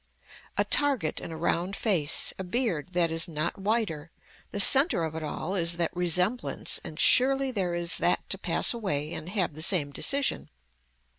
A target and a round face, a beard that is not whiter, the center of it all is that resemblance and surely there is that to pass away and have the same decision.